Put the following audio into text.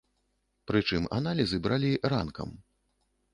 Прычым аналізы бралі ранкам.